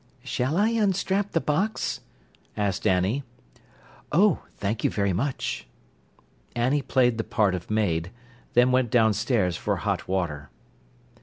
"Shall I unstrap the box?" asked Annie. "Oh, thank you very much!" Annie played the part of maid, then went downstairs for hot water.